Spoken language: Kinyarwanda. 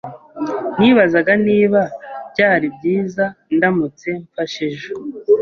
Nibazaga niba byari byiza ndamutse mfashe ejo.